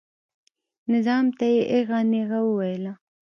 نظام ته یې ایغه نیغه وویله.